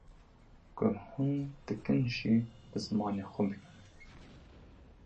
Ku hûn dikin jî bi zimanê xwe bikin